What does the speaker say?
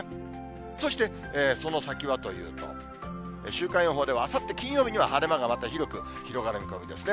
そしてその先はというと、週間予報では、あさって金曜日には晴れ間がまた広く広がる見込みですね。